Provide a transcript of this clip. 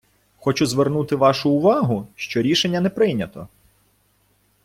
Хочу звернути вашу увагу, що рішення не прийнято.